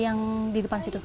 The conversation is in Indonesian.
yang di depan situ